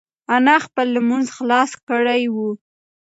انا خپل لمونځ خلاص کړی و.